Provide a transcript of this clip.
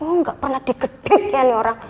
oh enggak pernah diketik ya nih orang